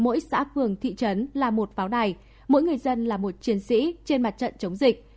mỗi xã phường thị trấn là một pháo đài mỗi người dân là một chiến sĩ trên mặt trận chống dịch